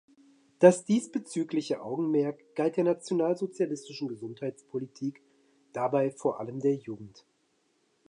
Das diesbezügliche Augenmerk galt der nationalsozialistischen Gesundheitspolitik dabei vor allem der Jugend.